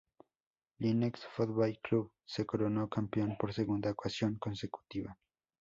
Lynx Football Club se coronó campeón por segunda ocasión consecutiva.